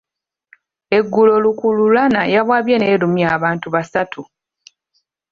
Eggulo lukululana yawabye n'erumya abantu basatu.